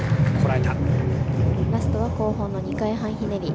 ラストは後方の２回半ひねり。